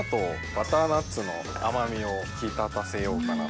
バターナッツの甘みを引き立たせようかなと。